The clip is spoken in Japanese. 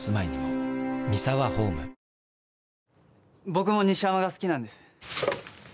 僕も西山が好きなんです。